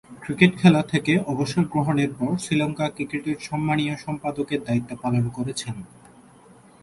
Cricket খেলা থেকে অবসর গ্রহণের পর শ্রীলঙ্কা ক্রিকেটের সম্মানীয় সম্পাদকের দায়িত্ব পালন করেছেন।